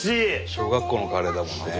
小学校のカレーだもんね。